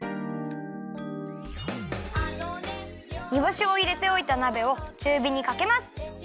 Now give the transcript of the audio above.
にぼしをいれておいたなべをちゅうびにかけます。